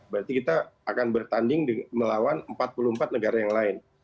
berarti kita akan bertanding melawan empat puluh empat negara yang lain